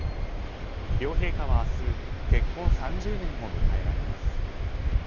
両陛下は明日結婚３０年を迎えられます。